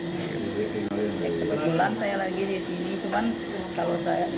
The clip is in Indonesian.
ya kebetulan saya lagi di sini